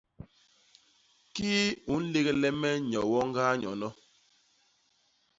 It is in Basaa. Kii u nlégle me nyo woñ ñgaa nyono?